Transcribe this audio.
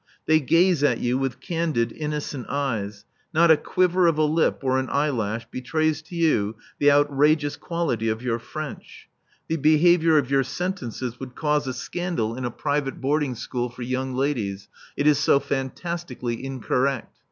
They gaze at you with candid, innocent eyes; not a quiver of a lip or an eyelash betrays to you the outrageous quality of your French. The behaviour of your sentences would cause a scandal in a private boarding school for young ladies, it is so fantastically incorrect.